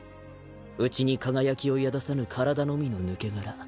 内に輝きを宿さぬ体のみの抜け殻。